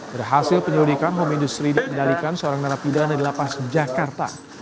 berhasil penyelidikan bom industri dikendalikan seorang narapidana di lapas jakarta